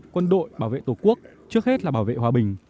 quân đội bảo vệ tổ quốc trước hết là bảo vệ hòa bình